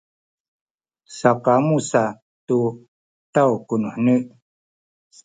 sakamu sa tu taw kuheni.